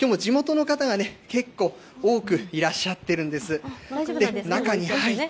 きょうも地元の方が結構、多くいらっしゃってるんです。